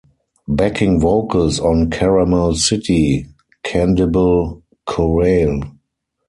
Backing vocals on "Caramel City": Cantabile Chorale.